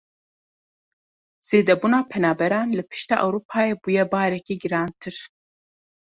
Zêdebûna penaberan li pişta Ewropayê bûye barekî girantir.